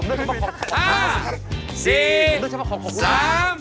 ยายา